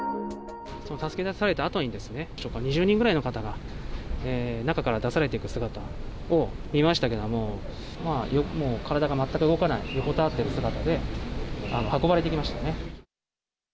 助け出されたあとに、２０人くらいの方が、中から出されている姿を見ましたけど、もう体が全く動かない、横たわってる姿で運ばれていきましたね。